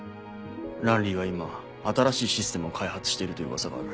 ランリーは今新しいシステムを開発しているという噂がある。